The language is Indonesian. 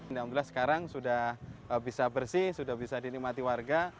alhamdulillah sekarang sudah bisa bersih sudah bisa dinikmati warga